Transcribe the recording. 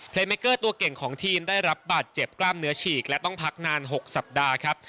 เมเกอร์ตัวเก่งของทีมได้รับบาดเจ็บกล้ามเนื้อฉีกและต้องพักนาน๖สัปดาห์ครับ